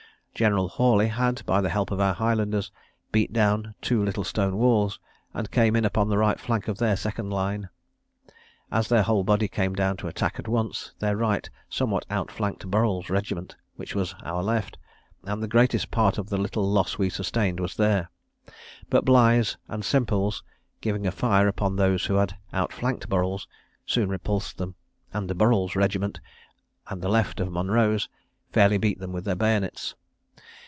General Hawley had, by the help of our Highlanders, beat down two little stone walls, and came in upon the right flank of their second line. As their whole body came down to attack at once, their right somewhat outflanked Burrel's regiment, which was our left; and the greatest part of the little loss we sustained was there; but Bligh's and Sempil's giving a fire upon those who had outflanked Burrel's, soon repulsed them; and Burrel's regiment, and the left of Monro's, fairly beat them with their bayonets.